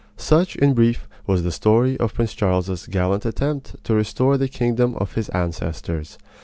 Such, in brief, was the story of Prince Charlie's gallant attempt to restore the kingdom of his ancestors.